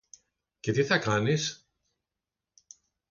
Και τι θα κάνεις;